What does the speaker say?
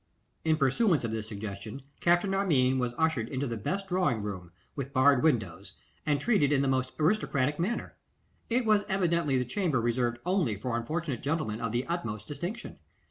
In pursuance of this suggestion, Captain Armine was ushered into the best drawing room, with barred windows, and treated in the most aristocratic manner. It was evidently the chamber reserved only for unfortunate gentlemen of the utmost distinction.